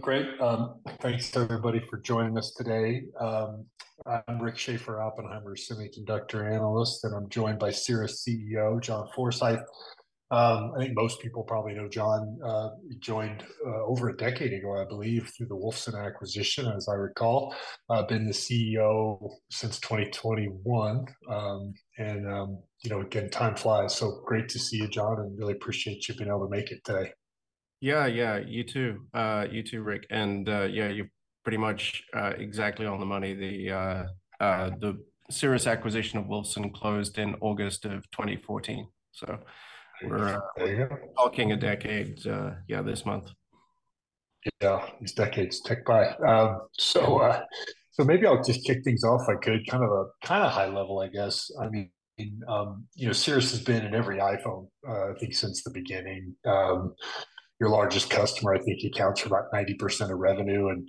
Great. Thanks to everybody for joining us today. I'm Rick Schafer, Oppenheimer semiconductor analyst, and I'm joined by Cirrus CEO, John Forsyth. I think most people probably know John. He joined over a decade ago, I believe, through the Wolfson acquisition, as I recall. Been the CEO since 2021. And, you know, again, time flies, so great to see you, John, and really appreciate you being able to make it today. Yeah, yeah. You too, you too, Rick. And, yeah, you're pretty much exactly on the money. The Cirrus acquisition of Wolfson closed in August of 2014. So we're- There you go.... talking a decade, yeah, this month. Yeah, these decades tick by. So, maybe I'll just kick things off if I could, kind of a, kind of high level, I guess. I mean, you know, Cirrus has been in every iPhone, I think since the beginning. Your largest customer, I think, accounts for about 90% of revenue. And,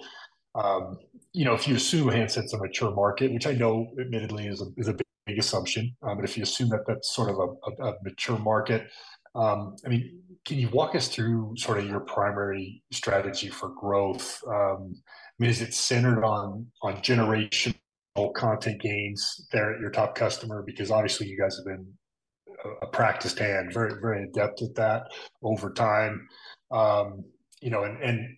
you know, if you assume handset's a mature market, which I know admittedly is a, is a big assumption, but if you assume that that's sort of a mature market, I mean, can you walk us through sort of your primary strategy for growth? I mean, is it centered on generational content gains there at your top customer? Because obviously you guys have been a practiced hand, very, very adept at that over time. You know, and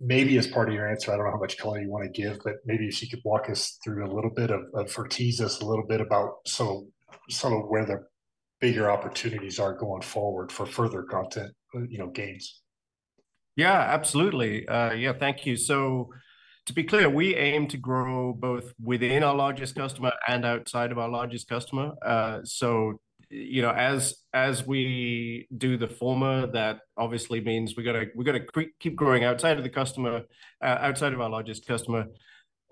maybe as part of your answer, I don't know how much color you want to give, but maybe if you could walk us through a little bit of... or tease us a little bit about sort of where the bigger opportunities are going forward for further content, you know, gains. Yeah, absolutely. Yeah, thank you. So to be clear, we aim to grow both within our largest customer and outside of our largest customer. So, you know, as we do the former, that obviously means we've gotta keep growing outside of the customer, outside of our largest customer,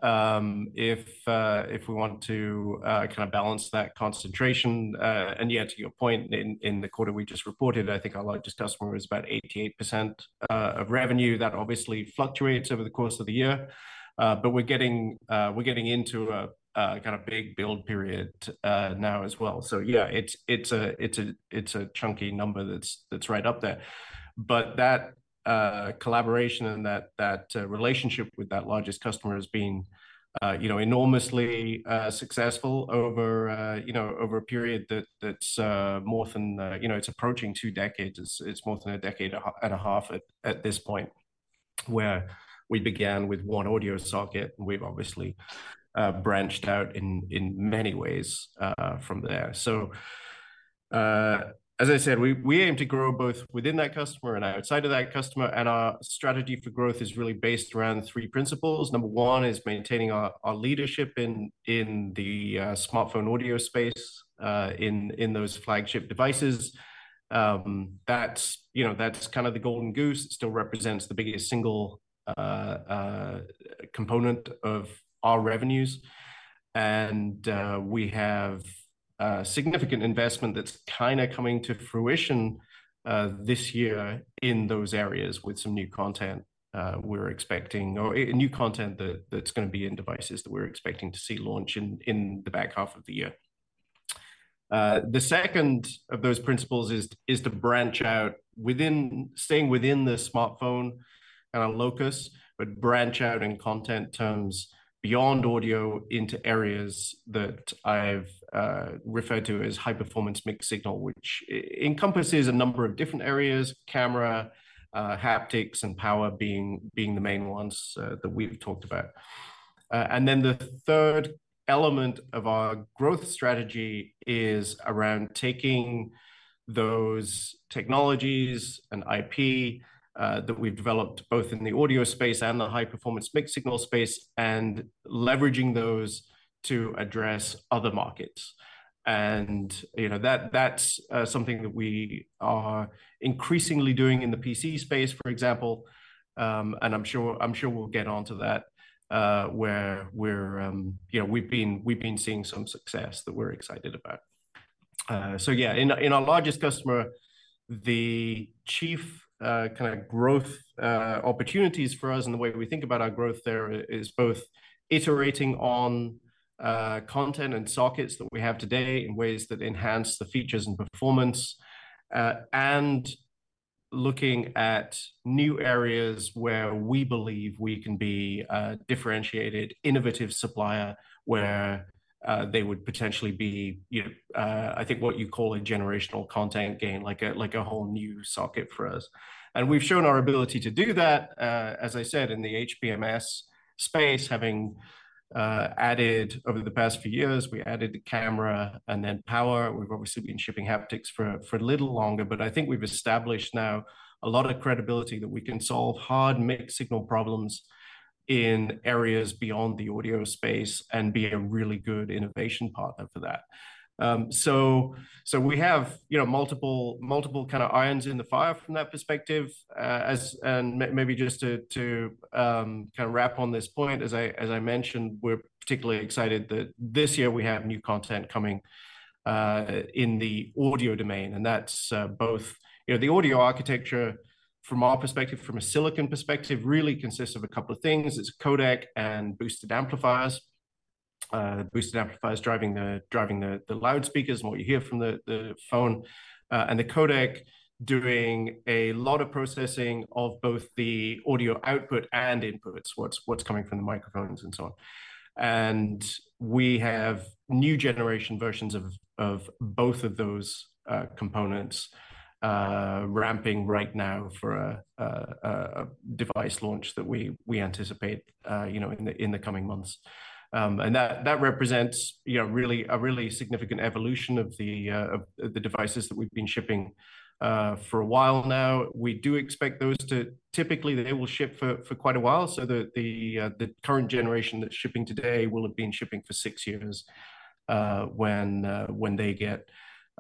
if we want to kind of balance that concentration. And yeah, to your point, in the quarter we just reported, I think our largest customer was about 88% of revenue. That obviously fluctuates over the course of the year. But we're getting into a kind of big build period now as well. So yeah, it's a chunky number that's right up there. But that collaboration and that relationship with that largest customer has been, you know, enormously successful over, you know, over a period that's more than, you know, it's approaching 2 decades. It's more than a decade and a half at this point, where we began with 1 audio socket, and we've obviously branched out in many ways from there. So, as I said, we aim to grow both within that customer and outside of that customer, and our strategy for growth is really based around 3 principles. Number 1 is maintaining our leadership in the smartphone audio space in those flagship devices. That's, you know, that's kind of the golden goose. It still represents the biggest single component of our revenues. We have significant investment that's kind of coming to fruition this year in those areas with some new content we're expecting or a new content that's gonna be in devices that we're expecting to see launch in the back half of the year. The second of those principles is to branch out within staying within the smartphone kind of locus, but branch out in content terms beyond audio into areas that I've referred to as high-performance mixed signal, which encompasses a number of different areas: camera, haptics, and power being the main ones that we've talked about. And then the third element of our growth strategy is around taking those technologies and IP, that we've developed both in the audio space and the high-performance mixed signal space, and leveraging those to address other markets. And, you know, that, that's, something that we are increasingly doing in the PC space, for example, and I'm sure, I'm sure we'll get onto that, where we're, you know, we've been, we've been seeing some success that we're excited about. So yeah, in our largest customer, the key kind of growth opportunities for us and the way we think about our growth there is both iterating on content and sockets that we have today in ways that enhance the features and performance, and looking at new areas where we believe we can be a differentiated, innovative supplier, where they would potentially be, you know, I think what you call a generational content gain, like a whole new socket for us. And we've shown our ability to do that, as I said, in the HPMS space, having added, over the past few years, the camera and then power. We've obviously been shipping haptics for a little longer, but I think we've established now a lot of credibility that we can solve hard mixed-signal problems in areas beyond the audio space and be a really good innovation partner for that. So we have, you know, multiple kind of irons in the fire from that perspective. Maybe just to kind of wrap on this point, as I mentioned, we're particularly excited that this year we have new content coming in the audio domain, and that's both... You know, the audio architecture from our perspective, from a silicon perspective, really consists of a couple of things. It's codec and boosted amplifiers.... Boosted amplifiers driving the loudspeakers and what you hear from the phone, and the codec doing a lot of processing of both the audio output and inputs, what's coming from the microphones and so on. And we have new generation versions of both of those components, ramping right now for a device launch that we anticipate, you know, in the coming months. And that represents, you know, a really significant evolution of the devices that we've been shipping for a while now. We do expect those to... Typically, they will ship for quite a while, so the current generation that's shipping today will have been shipping for six years when they get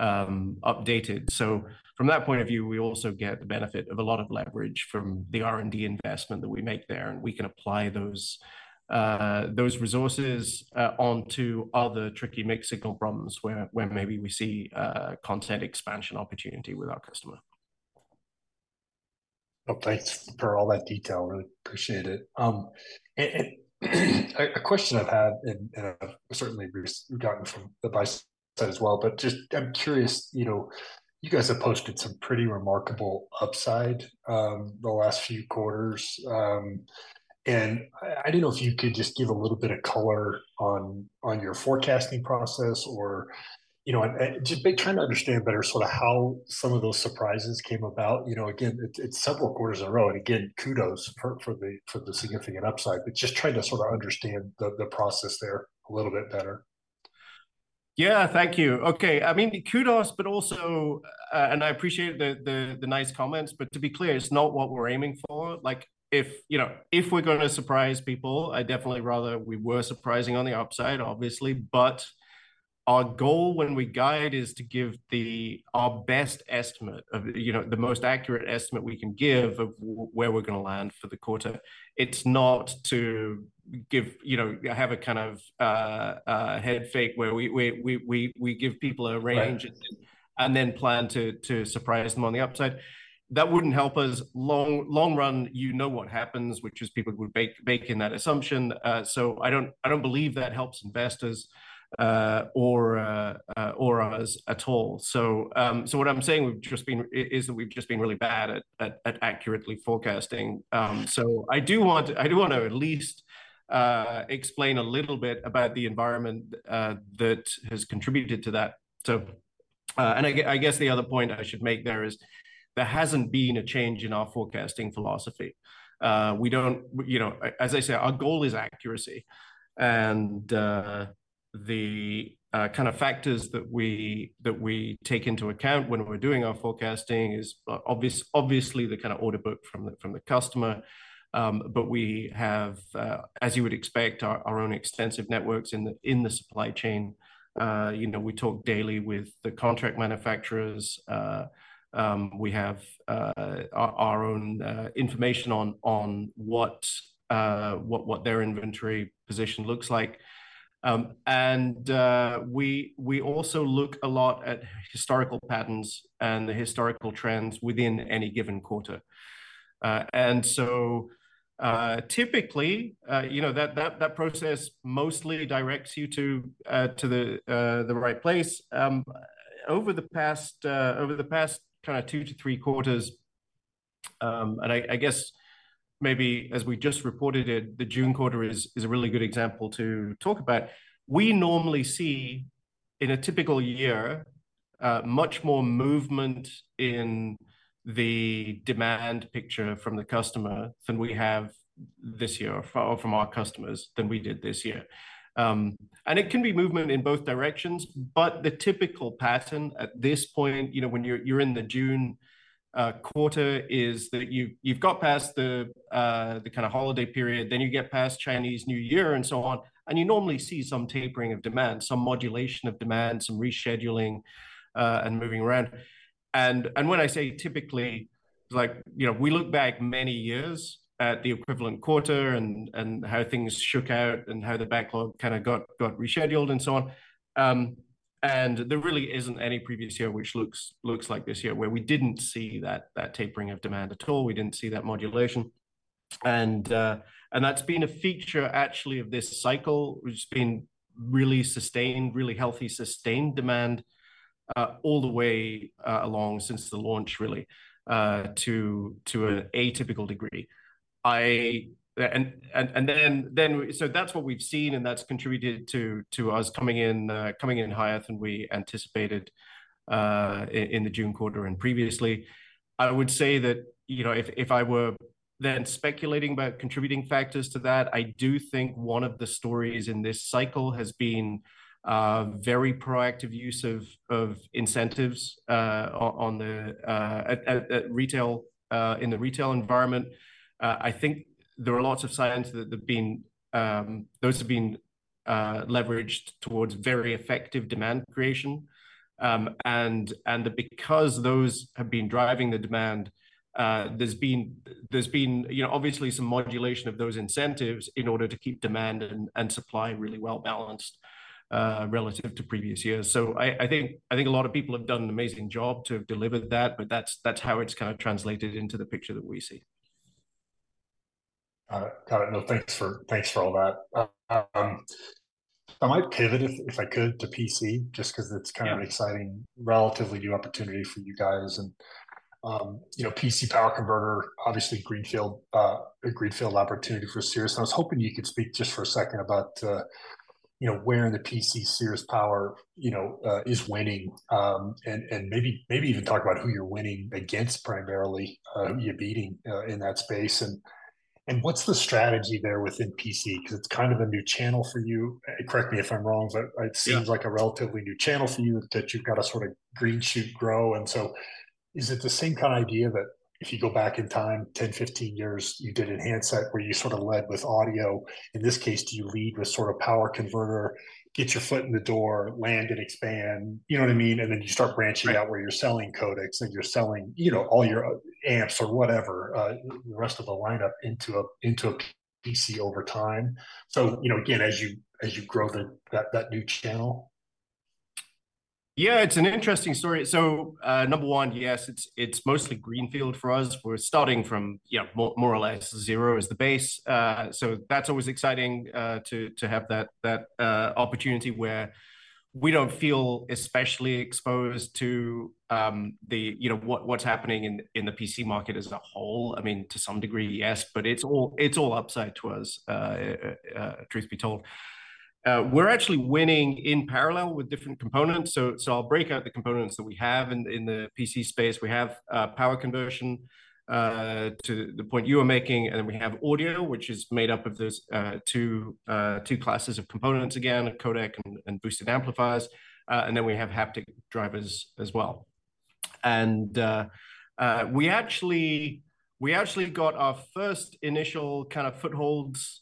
updated. So from that point of view, we also get the benefit of a lot of leverage from the R&D investment that we make there, and we can apply those resources onto other tricky mixed signal problems, where maybe we see content expansion opportunity with our customer. Well, thanks for all that detail. Really appreciate it. And a question I've had, and certainly we've gotten from the buy side as well, but just I'm curious, you know, you guys have posted some pretty remarkable upside, the last few quarters. And I don't know if you could just give a little bit of color on your forecasting process or, you know, and just be trying to understand better sort of how some of those surprises came about. You know, again, it's several quarters in a row, and again, kudos for the significant upside, but just trying to sort of understand the process there a little bit better. Yeah. Thank you. Okay. I mean, kudos, but also... And I appreciate the nice comments, but to be clear, it's not what we're aiming for. Like, you know, if we're gonna surprise people, I'd definitely rather we were surprising on the upside, obviously. But our goal when we guide is to give our best estimate of, you know, the most accurate estimate we can give of where we're gonna land for the quarter. It's not to give, you know, have a kind of a head fake where we give people a range- Right... and then plan to surprise them on the upside. That wouldn't help us. Long run, you know what happens, which is people would bake in that assumption. So I don't believe that helps investors, or us at all. So what I'm saying is that we've just been really bad at accurately forecasting. So I do want to at least explain a little bit about the environment that has contributed to that. So, and I guess the other point I should make there is there hasn't been a change in our forecasting philosophy. You know, as I say, our goal is accuracy, and the kind of factors that we take into account when we're doing our forecasting is obviously the kind of order book from the customer. But we have, as you would expect, our own extensive networks in the supply chain. You know, we talk daily with the contract manufacturers. We have our own information on what their inventory position looks like. And we also look a lot at historical patterns and the historical trends within any given quarter. And so, typically, you know, that process mostly directs you to the right place. Over the past, over the past kind of 2 quarters to 3 quarters, and I, I guess maybe as we just reported it, the June quarter is, is a really good example to talk about. We normally see, in a typical year, much more movement in the demand picture from the customer than we have this year, or from our customers than we did this year. And it can be movement in both directions, but the typical pattern at this point, you know, when you're, you're in the June quarter, is that you've, you've got past the, the kind of holiday period, then you get past Chinese New Year and so on, and you normally see some tapering of demand, some modulation of demand, some rescheduling, and moving around. And when I say typically, like, you know, we look back many years at the equivalent quarter and how things shook out and how the backlog kind of got rescheduled and so on. And there really isn't any previous year which looks like this year, where we didn't see that tapering of demand at all. We didn't see that modulation. And that's been a feature, actually, of this cycle, which has been really sustained, really healthy, sustained demand all the way along since the launch, really, to an atypical degree. And then so that's what we've seen, and that's contributed to us coming in, coming in higher than we anticipated in the June quarter and previously. I would say that, you know, if I were then speculating about contributing factors to that, I do think one of the stories in this cycle has been very proactive use of incentives at retail in the retail environment. I think there are lots of signs that those have been leveraged towards very effective demand creation. And because those have been driving the demand, there's been, you know, obviously some modulation of those incentives in order to keep demand and supply really well-balanced relative to previous years. So I think a lot of people have done an amazing job to deliver that, but that's how it's kind of translated into the picture that we see.... Got it. No, thanks for, thanks for all that. I might pivot if, if I could to PC, just because it's kind of an exciting- Yeah... relatively new opportunity for you guys. And, you know, PC power converter, obviously greenfield, a greenfield opportunity for Cirrus. I was hoping you could speak just for a second about, you know, where in the PC Cirrus power, you know, is winning. And maybe even talk about who you're winning against primarily, who you're beating, in that space. And what's the strategy there within PC? Because it's kind of a new channel for you. Correct me if I'm wrong, but it seems- Yeah... like a relatively new channel for you, that you've got to sort of green shoot grow. And so is it the same kind of idea that if you go back in time 10 years, 15 years, you did in handset, where you sort of led with audio? In this case, do you lead with sort of power converter, get your foot in the door, land and expand? You know what I mean, and then you start branching out- Right... where you're selling codecs, and you're selling, you know, all your other amps or whatever, the rest of the lineup into a, into a PC over time, so, you know, again, as you, as you grow that, that, that new channel? Yeah, it's an interesting story. So, number one, yes, it's mostly greenfield for us. We're starting from, yeah, more or less zero as the base. So that's always exciting to have that opportunity, where we don't feel especially exposed to the, you know, what's happening in the PC market as a whole. I mean, to some degree, yes, but it's all upside to us, truth be told. We're actually winning in parallel with different components. So I'll break out the components that we have in the PC space. We have power conversion to the point you were making, and then we have audio, which is made up of those two classes of components, again, a codec and boosted amplifiers. And then we have haptic drivers as well. And we actually got our first initial kind of footholds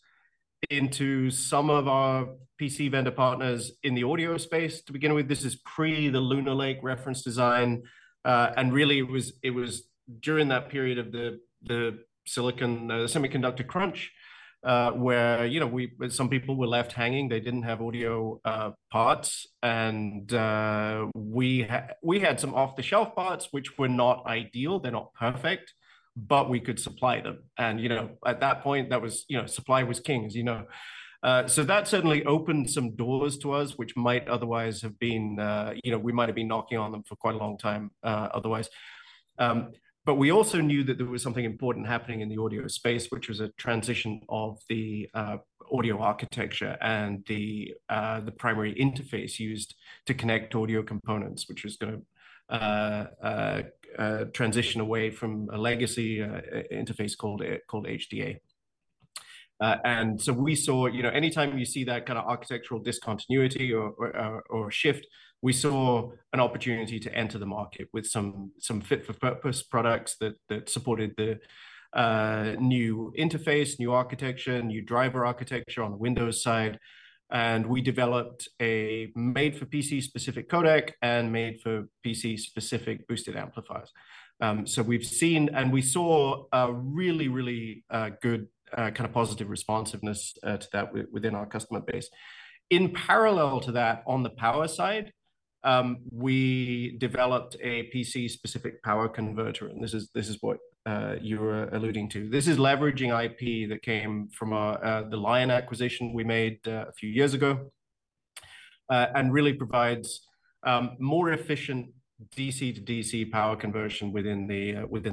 into some of our PC vendor partners in the audio space. To begin with, this is pre the Lunar Lake reference design. And really it was during that period of the silicon semiconductor crunch, where, you know, we, some people were left hanging, they didn't have audio parts. And we had some off-the-shelf parts, which were not ideal, they're not perfect, but we could supply them. And, you know, at that point, that was, you know, supply was king, as you know. So that certainly opened some doors to us, which might otherwise have been, you know, we might have been knocking on them for quite a long time, otherwise. But we also knew that there was something important happening in the audio space, which was a transition of the audio architecture and the primary interface used to connect audio components, which was gonna transition away from a legacy interface called HDA. And so we saw. You know, anytime you see that kind of architectural discontinuity or a shift, we saw an opportunity to enter the market with some fit-for-purpose products that supported the new interface, new architecture, new driver architecture on the Windows side. And we developed a made-for-PC specific codec and made-for-PC specific boosted amplifiers. So we've seen, and we saw a really good kind of positive responsiveness to that within our customer base. In parallel to that, on the power side, we developed a PC-specific power converter, and this is what you were alluding to. This is leveraging IP that came from the Lion acquisition we made a few years ago, and really provides more efficient DC to DC power conversion within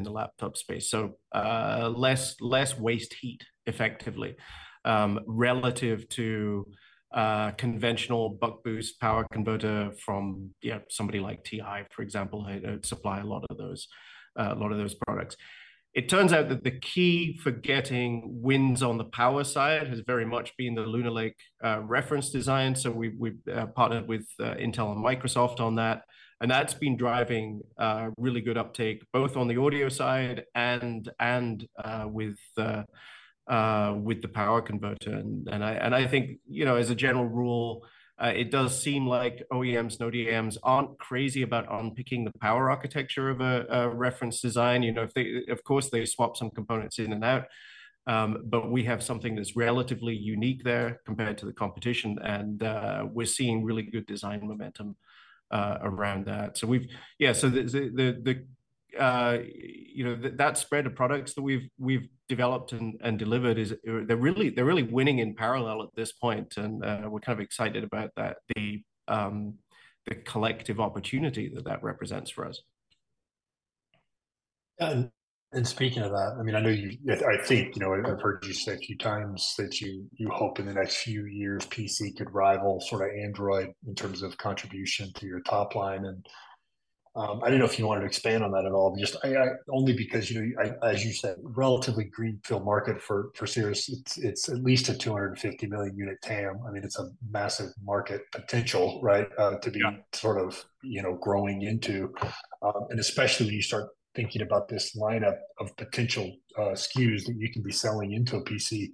the laptop space. So, less waste heat effectively, relative to conventional buck-boost power converter from, yeah, somebody like TI, for example, who supply a lot of those products. It turns out that the key for getting wins on the power side has very much been the Lunar Lake reference design, so we've partnered with Intel and Microsoft on that. And that's been driving really good uptake, both on the audio side and with the power converter. And I think, you know, as a general rule, it does seem like OEMs and ODMs aren't crazy about unpicking the power architecture of a reference design. You know, if they, of course, they swap some components in and out, but we have something that's relatively unique there compared to the competition, and we're seeing really good design momentum around that. Yeah, so the, you know, that spread of products that we've developed and delivered is. They're really winning in parallel at this point. And we're kind of excited about that, the collective opportunity that that represents for us. And speaking of that, I mean, I know you, I think, you know, I've heard you say a few times that you hope in the next few years, PC could rival sort of Android in terms of contribution to your top line. And, I didn't know if you wanted to expand on that at all. But just, only because, you know, as you said, relatively greenfield market for Cirrus. It's at least a 250 million unit TAM. I mean, it's a massive market potential, right? Yeah... to be sort of, you know, growing into. And especially when you start thinking about this lineup of potential SKUs that you can be selling into a PC.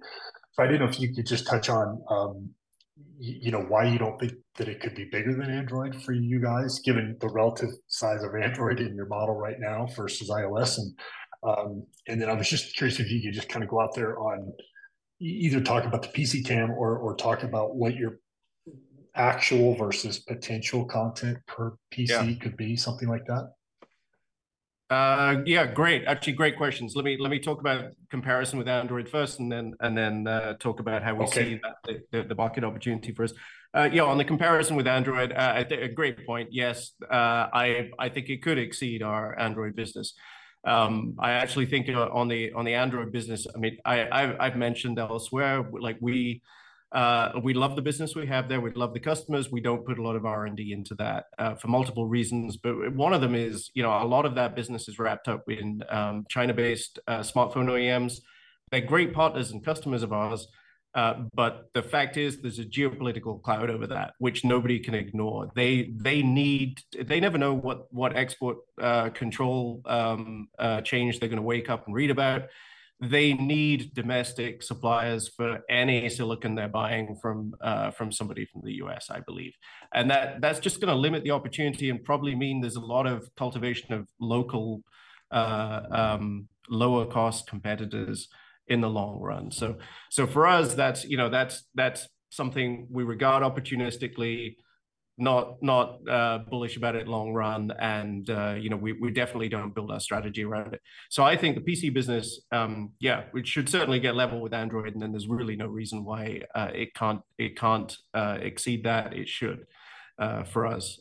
So I didn't know if you could just touch on, you know, why you don't think that it could be bigger than Android for you guys, given the relative size of Android in your model right now versus iOS? And, and then I was just curious if you could just kind of go out there on, either talk about the PC TAM or, or talk about what your actual versus potential content per PC- Yeah... could be, something like that. ... Yeah, great. Actually, great questions. Let me, let me talk about comparison with Android first, and then, and then talk about how we see- Okay The market opportunity for us. Yeah, on the comparison with Android, a great point. Yes, I think it could exceed our Android business. I actually think, you know, on the Android business, I mean, I've mentioned elsewhere, like, we love the business we have there. We love the customers. We don't put a lot of R&D into that, for multiple reasons. But one of them is, you know, a lot of that business is wrapped up in China-based smartphone OEMs. They're great partners and customers of ours, but the fact is, there's a geopolitical cloud over that which nobody can ignore. They never know what export control change they're gonna wake up and read about. They need domestic suppliers for any silicon they're buying from, from somebody from the U.S., I believe. And that, that's just gonna limit the opportunity and probably mean there's a lot of cultivation of local, lower-cost competitors in the long run. So, so for us, that's, you know, that's, that's something we regard opportunistically, not, not, bullish about it long run, and, you know, we, we definitely don't build our strategy around it. So I think the PC business, yeah, it should certainly get level with Android, and then there's really no reason why, it can't, it can't, exceed that. It should, for us,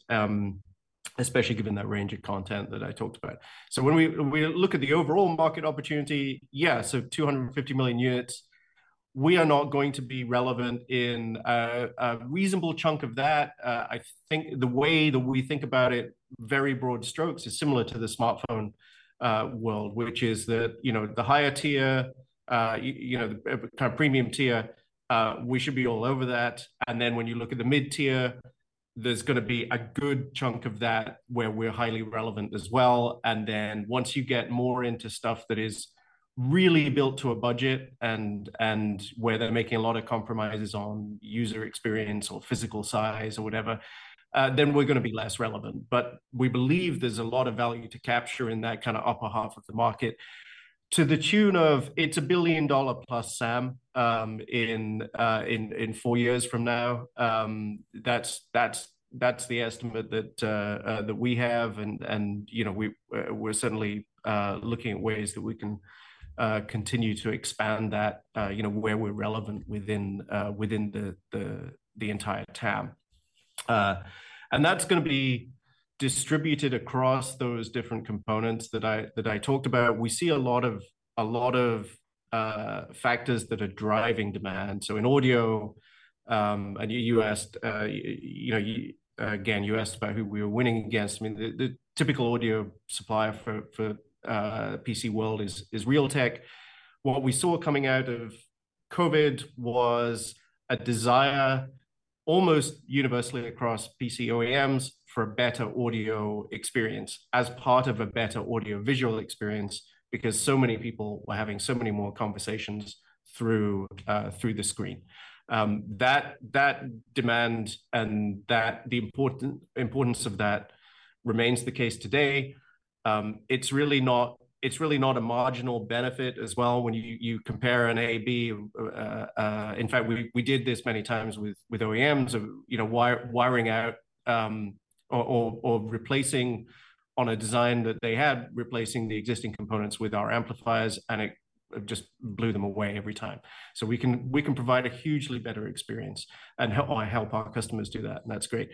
especially given that range of content that I talked about. So when we look at the overall market opportunity, yeah, so 250 million units, we are not going to be relevant in a reasonable chunk of that. I think the way that we think about it, very broad strokes, is similar to the smartphone world, which is that, you know, the higher tier, you know, the kind of premium tier, we should be all over that. And then when you look at the mid-tier, there's gonna be a good chunk of that where we're highly relevant as well. And then once you get more into stuff that is really built to a budget and where they're making a lot of compromises on user experience or physical size or whatever, then we're gonna be less relevant. But we believe there's a lot of value to capture in that kind of upper half of the market, to the tune of it's a $1 billion-plus SAM in four years from now. That's the estimate that we have, and you know, we're certainly looking at ways that we can continue to expand that, you know, where we're relevant within the entire TAM. And that's gonna be distributed across those different components that I talked about. We see a lot of factors that are driving demand. So in audio, and you asked about who we are winning against. I mean, the typical audio supplier for PC world is Realtek. What we saw coming out of COVID was a desire, almost universally across PC OEMs, for a better audio experience as part of a better audio-visual experience, because so many people were having so many more conversations through, through the screen. That, that demand and that, the importance of that remains the case today. It's really not, it's really not a marginal benefit as well, when you, you compare an A/B. In fact, we, we did this many times with, with OEMs of, you know, wiring out, or replacing on a design that they had, replacing the existing components with our amplifiers, and it, it just blew them away every time. So we can, we can provide a hugely better experience and help, help our customers do that, and that's great.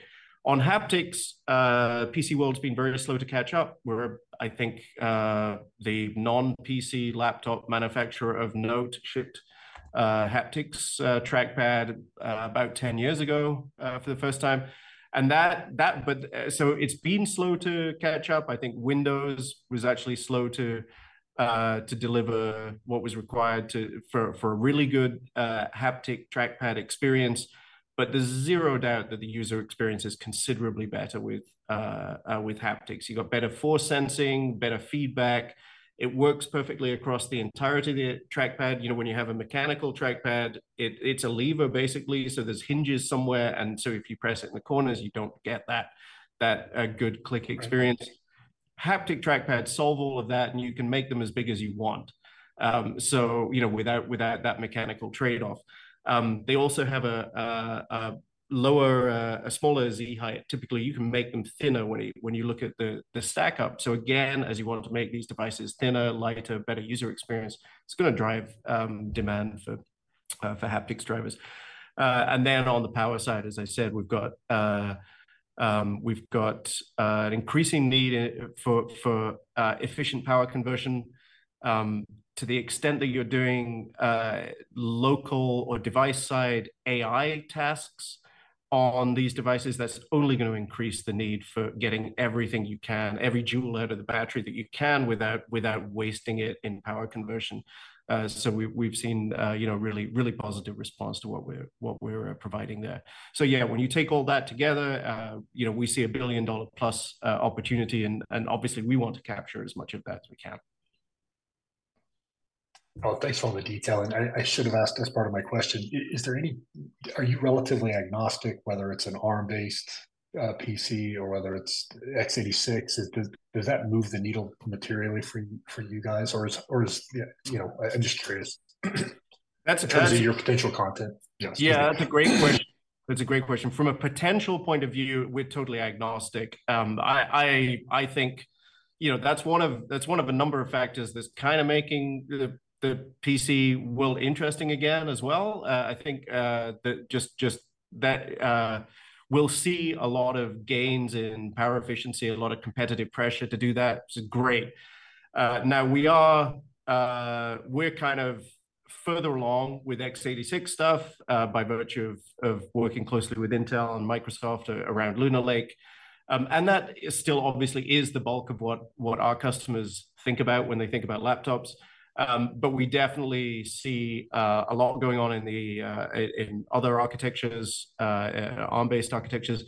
On haptics, PC world's been very slow to catch up, where I think the non-PC laptop manufacturer of note shipped haptics trackpad about 10 years ago for the first time. But so it's been slow to catch up. I think Windows was actually slow to deliver what was required for a really good haptic trackpad experience. But there's zero doubt that the user experience is considerably better with haptics. You've got better force sensing, better feedback. It works perfectly across the entirety of the trackpad. You know, when you have a mechanical trackpad, it's a lever basically, so there's hinges somewhere, and so if you press it in the corners, you don't get that good click experience. Haptic trackpads solve all of that, and you can make them as big as you want. So, you know, without that mechanical trade-off. They also have a lower, a smaller Z height. Typically, you can make them thinner when you look at the stackup. So again, as you wanted to make these devices thinner, lighter, better user experience, it's gonna drive demand for haptics drivers. And then on the power side, as I said, we've got an increasing need for efficient power conversion. To the extent that you're doing local or device-side AI tasks on these devices, that's only gonna increase the need for getting everything you can, every joule out of the battery that you can, without wasting it in power conversion. So we, we've seen, you know, really, really positive response to what we're, what we're providing there. So yeah, when you take all that together, you know, we see a billion-dollar-plus opportunity, and, and obviously, we want to capture as much of that as we can. Well, thanks for all the detail, and I, I should have asked as part of my question. Are you relatively agnostic, whether it's an Arm-based PC or whether it's x86? Does that move the needle materially for you guys? Or is, or is, you know, I'm just curious? That's a-... in terms of your potential content? Yes. Yeah, that's a great question. That's a great question. From a potential point of view, we're totally agnostic. I think, you know, that's one of a number of factors that's kind of making the PC world interesting again as well. I think that just that we'll see a lot of gains in power efficiency, a lot of competitive pressure to do that, it's great. Now we're kind of further along with x86 stuff, by virtue of working closely with Intel and Microsoft around Lunar Lake. And that is still obviously the bulk of what our customers think about when they think about laptops. But we definitely see a lot going on in the other architectures, Arm-based architectures,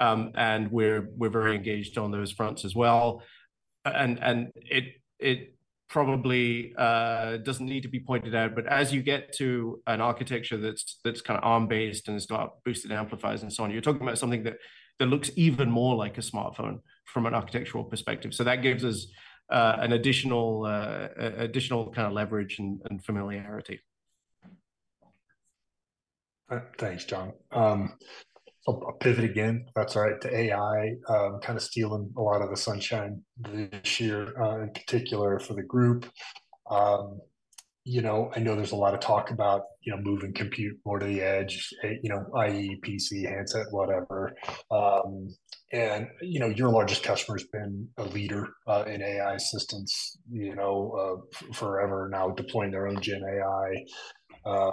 and we're very engaged on those fronts as well. And it probably doesn't need to be pointed out, but as you get to an architecture that's kind of Arm-based and it's got boosted amplifiers and so on, you're talking about something that looks even more like a smartphone from an architectural perspective. So that gives us an additional kind of leverage and familiarity. Thanks, John. I'll pivot again, that's all right, to AI, kind of stealing a lot of the sunshine this year, in particular for the group. You know, I know there's a lot of talk about, you know, moving compute more to the edge, you know, i.e., PC, handset, whatever. And, you know, your largest customer's been a leader, in AI assistance, you know, forever now, deploying their own gen AI.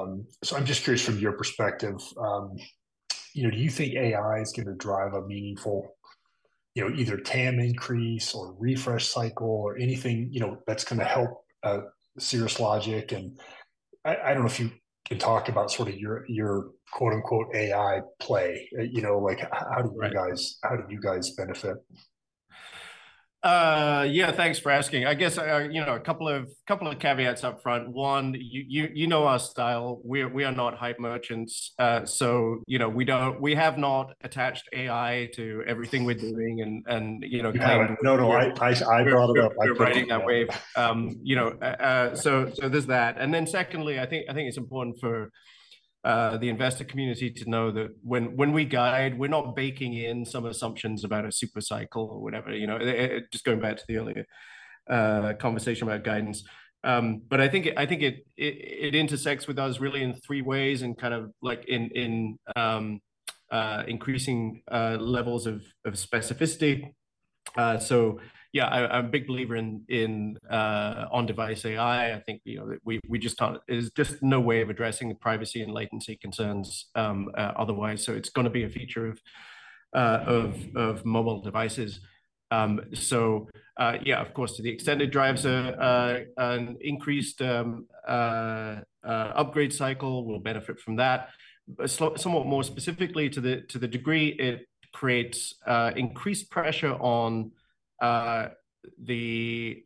So I'm just curious from your perspective, you know, do you think AI is gonna drive a meaningful, you know, either TAM increase or refresh cycle or anything, you know, that's gonna help, Cirrus Logic? And I don't know if you can talk about sort of your quote-unquote, "AI play," you know, like, how do you guys- Right... how do you guys benefit? Yeah, thanks for asking. I guess, you know, a couple of caveats up front. One, you know our style, we are not hype merchants. So, you know, we have not attached AI to everything we're doing and, you know, kind of- No, no, I brought it up. You're riding that wave. You know, so, so there's that. And then secondly, I think, I think it's important for the investor community to know that when, when we guide, we're not baking in some assumptions about a super cycle or whatever, you know, just going back to the earlier conversation about guidance. But I think it, I think it, it, it intersects with us really in three ways and kind of like in, in increasing levels of specificity. So yeah, I, I'm a big believer in on-device AI. I think, you know, we, we just thought there's just no way of addressing privacy and latency concerns otherwise, so it's gonna be a feature of mobile devices. So, yeah, of course, to the extent it drives an increased upgrade cycle, we'll benefit from that. Somewhat more specifically to the degree it creates increased pressure on the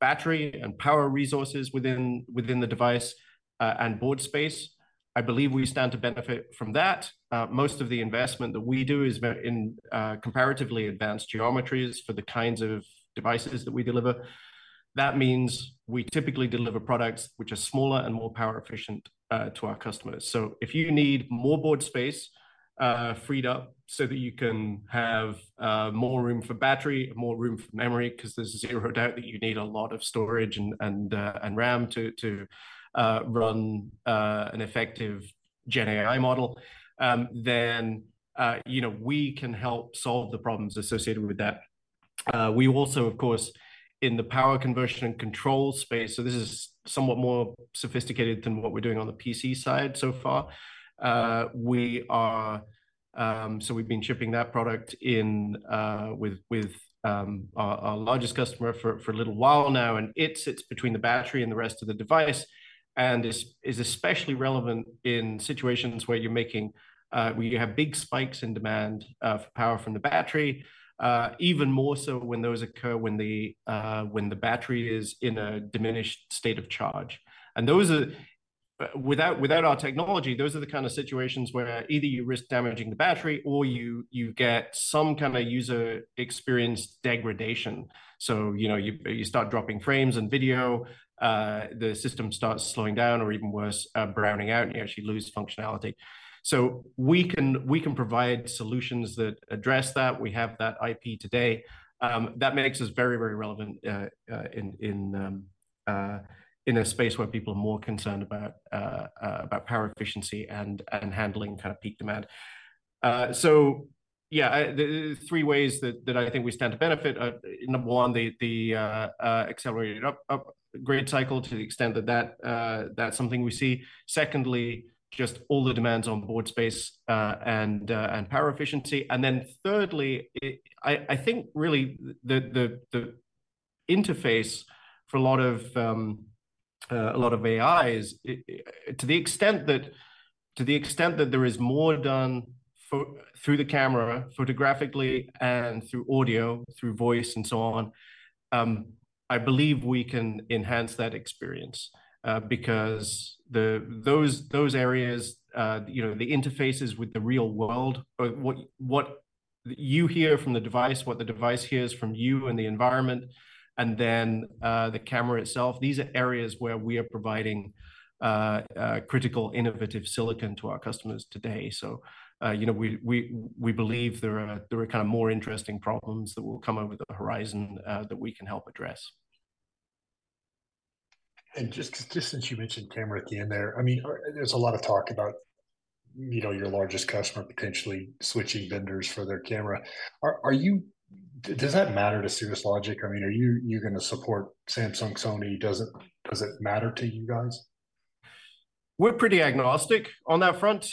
battery and power resources within the device and board space, I believe we stand to benefit from that. Most of the investment that we do is in comparatively advanced geometries for the kinds of devices that we deliver. That means we typically deliver products which are smaller and more power efficient to our customers. So if you need more board space, freed up so that you can have, more room for battery, more room for memory, 'cause there's zero doubt that you need a lot of storage and RAM to run an effective Gen AI model, then, you know, we can help solve the problems associated with that. We also, of course, in the power conversion and control space, so this is somewhat more sophisticated than what we're doing on the PC side so far. We are, so we've been shipping that product in, with, with, our, our largest customer for, for a little while now, and it sits between the battery and the rest of the device, and is especially relevant in situations where you're making... where you have big spikes in demand, for power from the battery. Even more so when those occur, when the battery is in a diminished state of charge. And those are, without our technology, those are the kind of situations where either you risk damaging the battery or you get some kind of user experience degradation. So, you know, you start dropping frames and video, the system starts slowing down or even worse, browning out, and you actually lose functionality. So we can provide solutions that address that. We have that IP today. That makes us very, very relevant, in a space where people are more concerned about power efficiency and handling kind of peak demand. So yeah, the three ways that I think we stand to benefit are, number one, the accelerated upgrade cycle to the extent that that's something we see. Secondly, just all the demands on board space and power efficiency. And then thirdly, I think really the interface for a lot of AI is, to the extent that there is more done photographically through the camera and through audio, through voice and so on, I believe we can enhance that experience. Because those areas, you know, the interfaces with the real world, what you hear from the device, what the device hears from you and the environment, and then the camera itself. These are areas where we are providing critical, innovative silicon to our customers today. So, you know, we believe there are kind of more interesting problems that will come over the horizon that we can help address. Just since you mentioned camera at the end there, I mean, there's a lot of talk about, you know, your largest customer potentially switching vendors for their camera. Are you—does that matter to Cirrus Logic? I mean, are you gonna support Samsung, Sony? Does it matter to you guys? We're pretty agnostic on that front.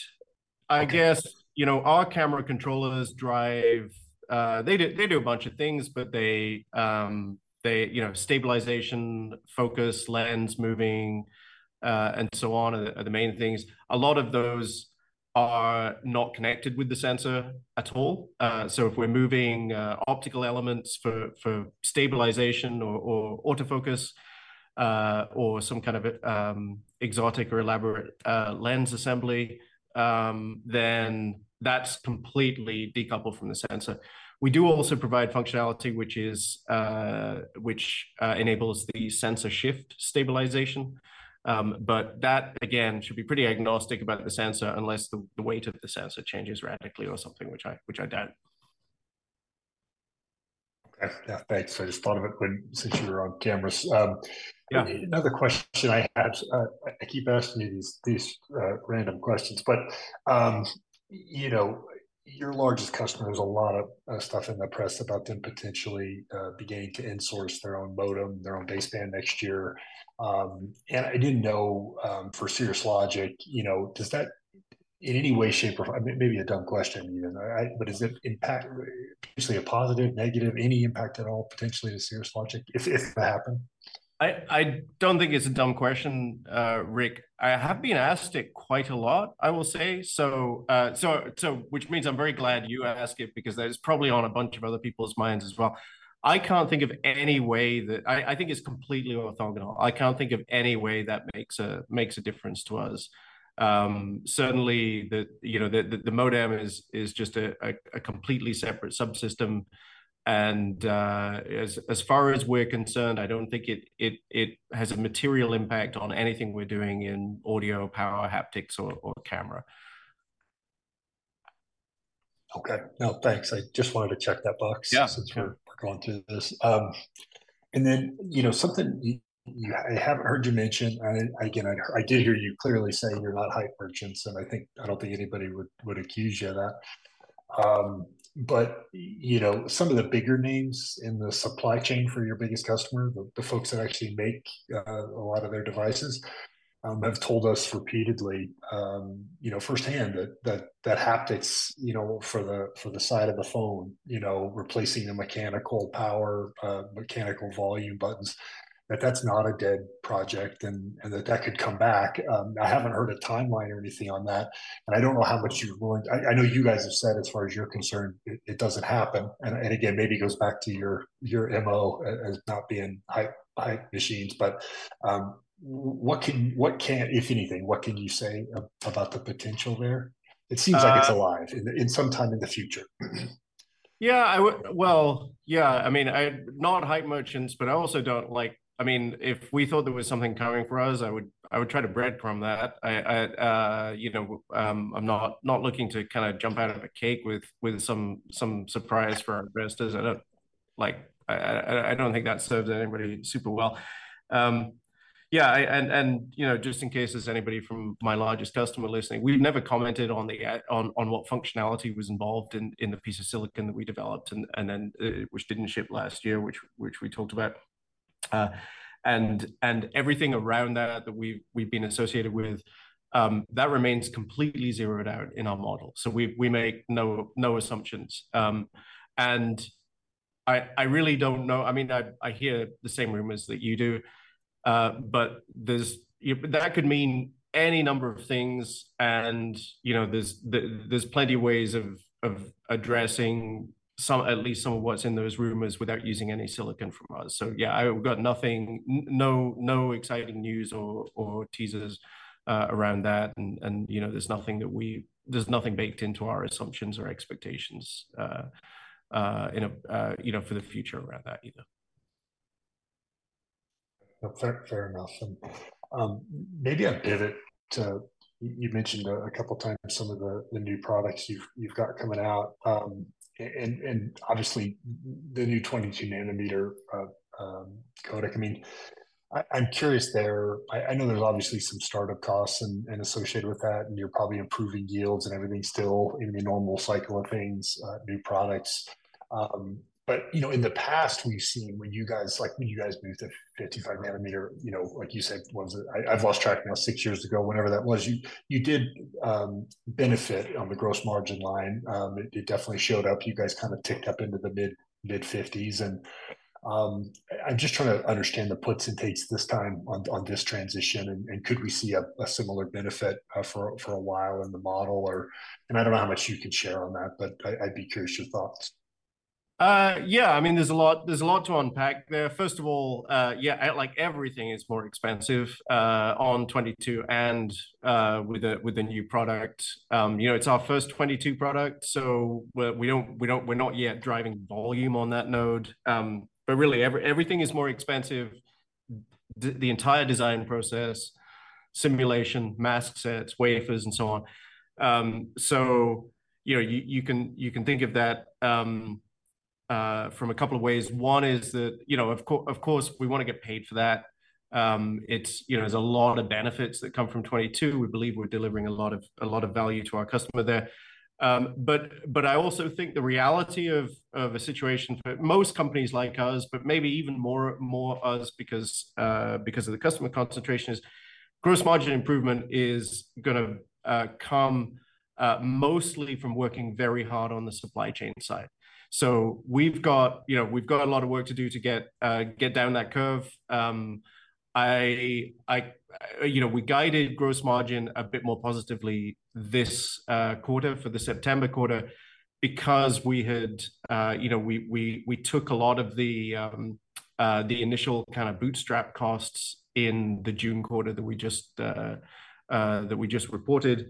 Okay. I guess, you know, our camera controllers drive. They do, they do a bunch of things, but they, they, you know, stabilization, focus, lens moving, and so on are the, are the main things. A lot of those are not connected with the sensor at all. So if we're moving optical elements for, for stabilization or, or autofocus, or some kind of, exotic or elaborate, lens assembly, then that's completely decoupled from the sensor. We do also provide functionality, which is, which, enables the sensor shift stabilization. But that, again, should be pretty agnostic about the sensor, unless the, the weight of the sensor changes radically or something, which I, which I doubt. Okay. Yeah, thanks. I just thought of it when, since you were on cameras. Yeah. Another question I had. I keep asking you these random questions, but you know, your largest customer, there's a lot of stuff in the press about them potentially beginning to insource their own modem, their own baseband next year. And I didn't know for Cirrus Logic, you know, does that in any way, shape, or maybe a dumb question even, but does it impact potentially a positive, negative, any impact at all, potentially to Cirrus Logic if that happened? I don't think it's a dumb question, Rick. I have been asked it quite a lot, I will say. So which means I'm very glad you asked it, because that is probably on a bunch of other people's minds as well. I can't think of any way that. I think it's completely orthogonal. I can't think of any way that makes a difference to us. Certainly, you know, the modem is just a completely separate subsystem, and as far as we're concerned, I don't think it has a material impact on anything we're doing in audio, power, haptics, or camera. Okay. No, thanks. I just wanted to check that box- Yeah... since we're going through this. And then, you know, something I haven't heard you mention. I, again, I did hear you clearly say you're not hype merchants, and I think, I don't think anybody would accuse you of that. But, you know, some of the bigger names in the supply chain for your biggest customer, the folks that actually make a lot of their devices, have told us repeatedly, you know, firsthand that haptics, you know, for the side of the phone, you know, replacing the mechanical power, mechanical volume buttons, that's not a dead project, and that could come back. I haven't heard a timeline or anything on that, and I don't know how much you're willing—I know you guys have said as far as you're concerned, it doesn't happen. And again, maybe it goes back to your MO as not being hype machines. But, what can—if anything, what can you say about the potential there? Uh- It seems like it's alive in some time in the future. Yeah, I would— Well, yeah, I mean, not hype merchants, but I also don't like— I mean, if we thought there was something coming for us, I would, I would try to breadcrumb that. I, you know, I'm not looking to kind of jump out of a cake with some surprise for our investors. I don't, like, I don't think that serves anybody super well. Yeah, and, you know, just in case there's anybody from my largest customer listening, we've never commented on the, on what functionality was involved in the piece of silicon that we developed, and then, which didn't ship last year, which we talked about. And everything around that that we've been associated with, that remains completely zeroed out in our model. So we make no assumptions. And I really don't know. I mean, I hear the same rumors that you do. But that could mean any number of things and, you know, there's plenty ways of addressing some, at least some of what's in those rumors without using any silicon from us. So yeah, I've got nothing, no exciting news or teasers around that. And you know, there's nothing baked into our assumptions or expectations in a, you know, for the future around that either. Fair, fair enough. And, maybe I'll pivot to, you mentioned a couple times some of the new products you've got coming out. And, obviously, the new 22-nanometer codec. I mean, I'm curious there, I know there's obviously some start-up costs and associated with that, and you're probably improving yields, and everything's still in the normal cycle of things, new products. But, you know, in the past, we've seen when you guys, like, when you guys moved to 55-nanometer, you know, like you said, was it, I've lost track now, 6 years ago, whenever that was, you did benefit on the gross margin line. It definitely showed up. You guys kind of ticked up into the mid-fifties. I'm just trying to understand the puts and takes this time on this transition, and could we see a similar benefit for a while in the model or... I don't know how much you can share on that, but I'd be curious your thoughts. ... Yeah, I mean, there's a lot, there's a lot to unpack there. First of all, yeah, like, everything is more expensive on 22 and with the new product. You know, it's our first 22 product, so we're not yet driving volume on that node. But really, everything is more expensive. The entire design process, simulation, mask sets, wafers, and so on. So, you know, you can think of that from a couple of ways. One is that, you know, of course, of course, we wanna get paid for that. It’s, you know, there's a lot of benefits that come from 22. We believe we're delivering a lot of, a lot of value to our customer there. But, but I also think the reality of, of a situation for most companies like us, but maybe even more, more us because, because of the customer concentration, is gross margin improvement is gonna, come, mostly from working very hard on the supply chain side. So we've got, you know, we've got a lot of work to do to get, get down that curve. I, I, you know, we guided gross margin a bit more positively this, quarter for the September quarter because we had, you know, we, we, we took a lot of the, the initial kind of bootstrap costs in the June quarter that we just, that we just reported.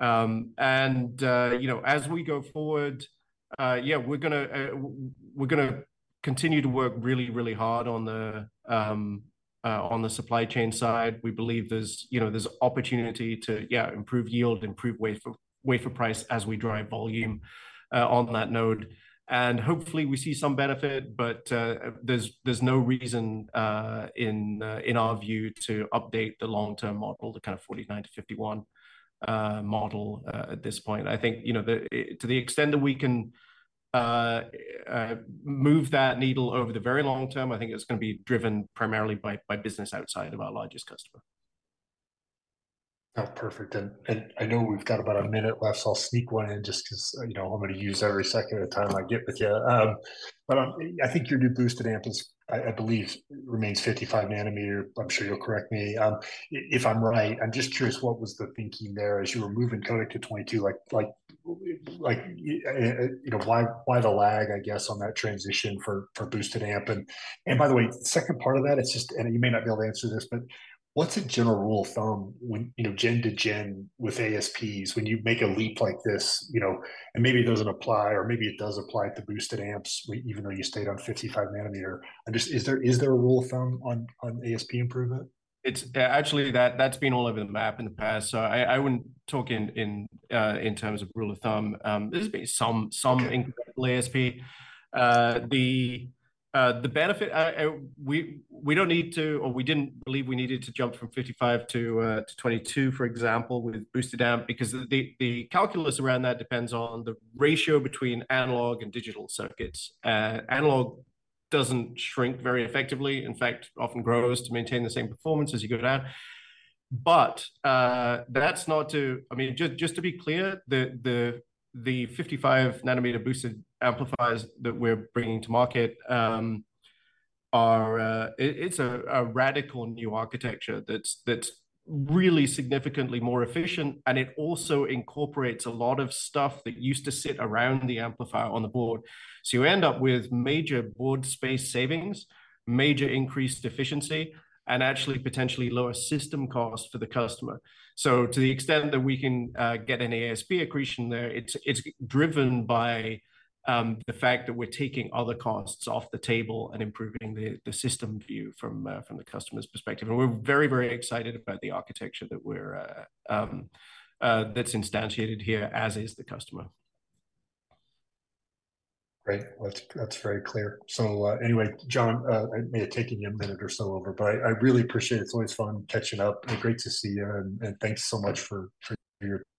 You know, as we go forward, we're gonna continue to work really, really hard on the supply chain side. We believe there's, you know, opportunity to improve yield, improve wafer price as we drive volume on that node. And hopefully, we see some benefit, but there's no reason in our view to update the long-term model, the kind of 49-51 model at this point. I think, you know, to the extent that we can move that needle over the very long term, I think it's gonna be driven primarily by business outside of our largest customer. Oh, perfect. And I know we've got about a minute left, so I'll sneak one in just 'cause, you know, I'm gonna use every second of the time I get with you. But I think your new boosted amp is, I believe, 55-nanometer. I'm sure you'll correct me if I'm right. I'm just curious, what was the thinking there as you were moving codec to 22, like, like, like, you know, why the lag, I guess, on that transition for boosted amp? And by the way, second part of that, it's just, and you may not be able to answer this, but what's a general rule of thumb when, you know, gen-to-gen with ASPs, when you make a leap like this, you know, and maybe it doesn't apply, or maybe it does apply to boosted amps, even though you stayed on 55-nanometer. And just, is there a rule of thumb on ASP improvement? It's actually that that's been all over the map in the past, so I wouldn't talk in terms of rule of thumb. There's been some, some- Okay... ASP. The benefit, we don't need to, or we didn't believe we needed to jump from 55 to 22, for example, with boosted amp, because the calculus around that depends on the ratio between analog and digital circuits. Analog doesn't shrink very effectively, in fact, often grows to maintain the same performance as you go down. But that's not to... I mean, just to be clear, the 55-nanometer boosted amplifiers that we're bringing to market are, it's a radical new architecture that's really significantly more efficient, and it also incorporates a lot of stuff that used to sit around the amplifier on the board. So you end up with major board space savings, major increased efficiency, and actually potentially lower system cost for the customer. So to the extent that we can get an ASP accretion there, it's driven by the fact that we're taking other costs off the table and improving the system view from the customer's perspective. And we're very, very excited about the architecture that's instantiated here, as is the customer. Great. Well, that's, that's very clear. So, anyway, John, I may have taken you a minute or so over, but I, I really appreciate it. It's always fun catching up, and great to see you, and, and thanks so much for, for your time.